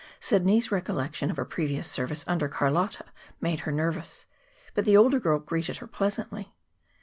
Sidney's recollection of her previous service under Carlotta made her nervous. But the older girl greeted her pleasantly.